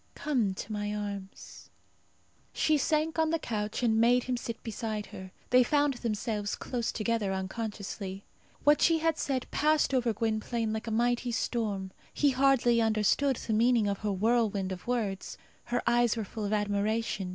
Come to my arms." She sank on the couch, and made him sit beside her. They found themselves close together unconsciously. What she said passed over Gwynplaine like a mighty storm. He hardly understood the meaning of her whirlwind of words. Her eyes were full of admiration.